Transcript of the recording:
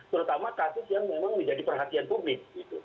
terutama kasus yang memang menjadi perhatian publik